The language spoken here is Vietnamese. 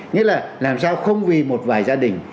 nghĩa là làm sao không vì một vài gia đình